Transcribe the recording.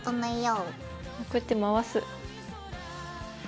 こうやって回す。